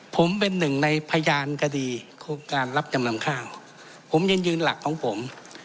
ผมเป็นหนึ่งในพยานคดีโครงการรับจำนำข้าวผมยังยืนหลักของผม